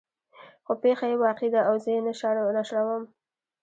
خو پېښه يې واقعي ده او زه یې نشروم.